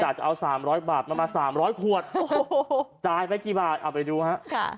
แต่จะเอา๓๐๐บาทมา๓๐๐ขวดจ่ายไปกี่บาทเอาไปดูฮะ